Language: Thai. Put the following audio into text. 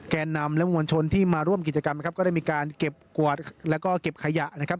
แก่นำและมวลชนที่มาร่วมกิจกรรมนะครับก็ได้มีการเก็บกวดแล้วก็เก็บขยะนะครับ